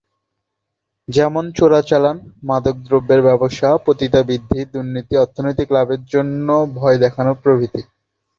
যেমন- চোরাচালান, মাদকদ্রব্যের ব্যবসা, পতিতাবৃত্তি, দুর্নীতি, অর্থনৈতিক লাভের জন্য ভয় দেখানো প্রভৃতি।